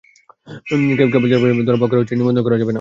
কেবল জেলে পর্যায়ে ধরপাকড় করে পোনা মাছ নিধন বন্ধ করা যাবে না।